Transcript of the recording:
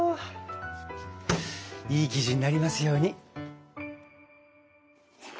いい生地になりますように。